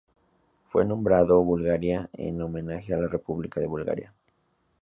Fue nombrado Bulgaria en homenaje a la República de Bulgaria.